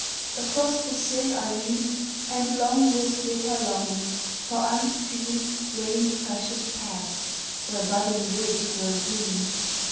Across the sill I lean, And long with bitter longing, for unseen Rain freshened paths, where budding woods grow green.